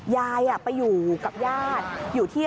ยายอ่ะไปอยู่กับญาติ